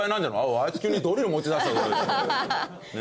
「あいつ急にドリル持ち出したぞ」。